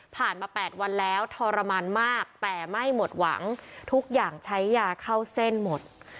มา๘วันแล้วทรมานมากแต่ไม่หมดหวังทุกอย่างใช้ยาเข้าเส้นหมด